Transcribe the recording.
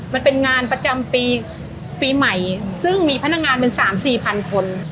มันเป็นงานประจำปีปีใหม่ซึ่งมีพนักงานเป็น๓๔๐๐คน